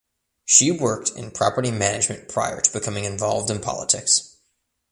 She worked in property management prior to becoming involved in politics.